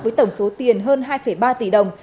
với tổng số tiền hơn hai ba tỷ đồng